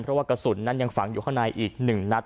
เพราะว่ากระสุนนั้นยังฝังอยู่ข้างในอีก๑นัด